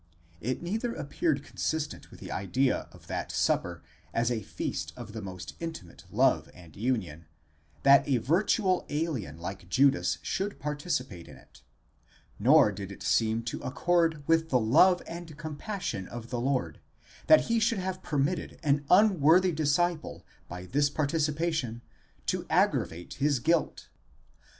It neither appeared consistent with the idea of that supper as a feast of the most intimate love and union, that a virtual alien like Judas should participate in it, nor did it seem to accord with the love and compassion of the Lord, that he should have permitted an unworthy disciple by this participation to aggravate his guilt!